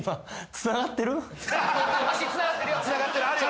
つながってるあるよ